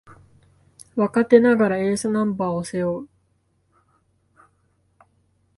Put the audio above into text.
若手ながらエースナンバーを背負う